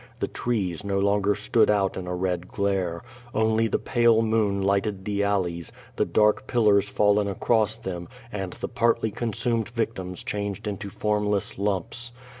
The trees no longer stood out in a red glare. Only the pale moon lighted the alleys, the dark pillars fallen across them, and the partly consumed victims changed into formless lumps.